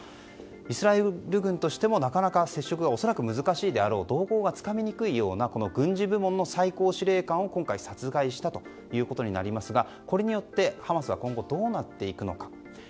イスラエル軍としてもなかなか接触が恐らく難しいであろう、動向がつかみにくいような軍事部門の最高司令官を今回殺害したということになりますがこれによってハマスが今後、どうなっていくのか。